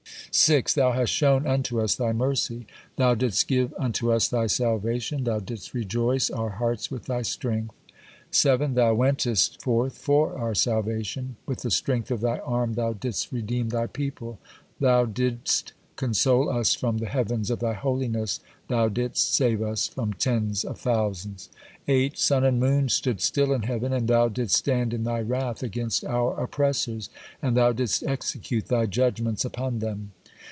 6. Thou hast shown unto us Thy mercy, Thou didst give unto us Thy salvation, Thou didst rejoice our hearts with Thy strength. 7. Thou wentest forth for our salvation; with the strength of Thy arm Thou didst redeem Thy people; Thou did console us from the heavens of Thy holiness, Thou didst save us from tens of thousands. 8. Sun and moon stood still in heaven, and Thou didst stand in Thy wrath against our oppressors, and Thou didst execute Thy judgements upon them.